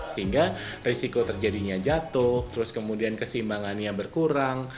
sehingga risiko terjadinya jatuh terus kemudian keseimbangan yang berkurang